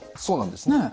そうなんです。